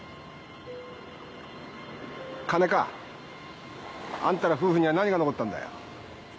金か！？あんたら夫婦には何が残ったんだよ！？